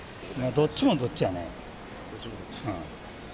どっちもどっちやね。